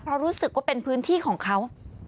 เพราะรู้สึกว่าเป็นพื้นที่ของเขา